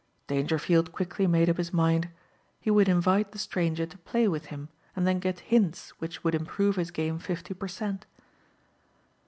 Dangerfield quickly made up his mind. He would invite the stranger to play with him and then get hints which would improve his game fifty per cent.